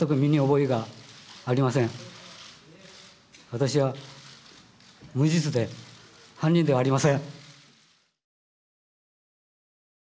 私は無実で犯人ではありません。